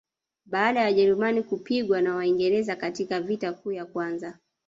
baada ya wajerumani kupigwa na waingereza katika vita kuu ya kwanza